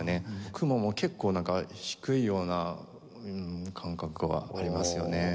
雲も結構低いような感覚はありますよね。